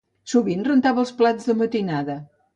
Sovint rentava els plats de matinada.